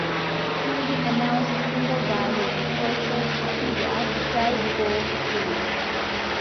Kennedy announced the single via his social media the day before its release.